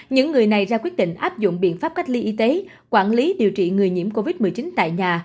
những người này ra quyết định áp dụng biện pháp cách ly y tế quản lý điều trị người nhiễm covid một mươi chín tại nhà